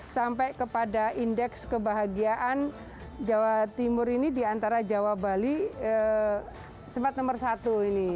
sampai kepada indeks kebahagiaan jawa timur ini di antara jawa bali sempat nomor satu ini